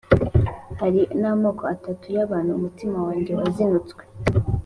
Hari n’amoko atatu y’abantu, umutima wanjye wazinutswe,